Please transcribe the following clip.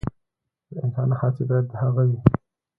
د انسان هڅې باید د هغه وي.